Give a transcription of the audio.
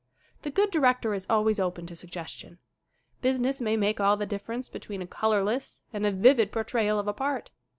The good director is always open to suggestion. Business may make all the differ ence between a colorless and a vivid portrayal of a part.